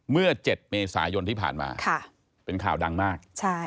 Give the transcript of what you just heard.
เมื่อ๗เมษายนที่ผ่านมาเป็นข่าวดังมาก